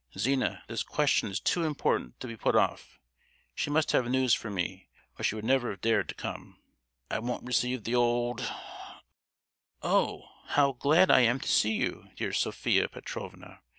Zina, this question is too important to be put off: she must have news for me or she never would have dared to come. I won't receive the old —— Oh! how glad I am to see you, dear Sophia Petrovna.